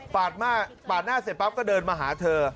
ปาดหน้าเสร็จปั๊บก็เดินมาหาเธอ